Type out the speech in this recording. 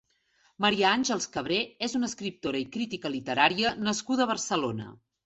Maria Àngels Cabré és una escriptora i crítica literària nascuda a Barcelona.